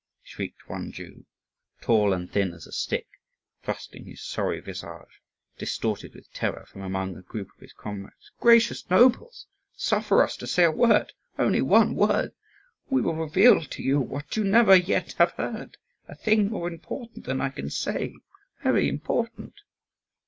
shrieked one Jew, tall and thin as a stick, thrusting his sorry visage, distorted with terror, from among a group of his comrades, "gracious nobles! suffer us to say a word, only one word. We will reveal to you what you never yet have heard, a thing more important than I can say very important!"